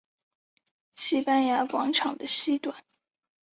西班牙广场的西端。